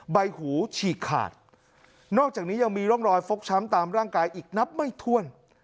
ใบหูฉีกขาดนอกจากนี้ยังมีร่องรอยฟกช้ำตามร่างกายอีกนับไม่ถ้วน